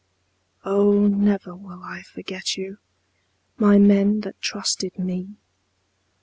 Oh, never will I forget you, My men that trusted me.